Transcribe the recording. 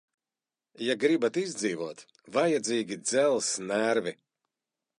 Ja gribat izdzīvot, vajadzīgi dzelzs nervi.